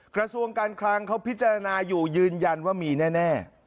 กระทรวงการคลังเขาพิจารณาอยู่ยืนยันว่ามีแน่